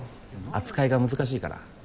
扱いが難しいから。